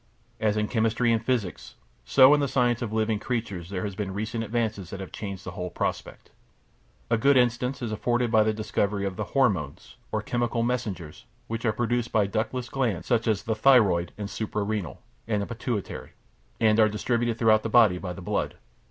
As in chemistry and physics, so in the science of living creatures there have been recent advances that have changed the whole prospect. A good instance is afforded by the discovery of the "hormones," or chemical messengers, which are produced by ductless glands, such as the thyroid, the supra renal, and the pituitary, and are distributed throughout the body by the blood.